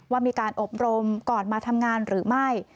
ว่ามีการอบรมก่อนมาทำงานหรือไม่